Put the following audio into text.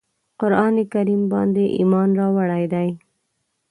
قرآن کریم باندي ایمان راوړی دی.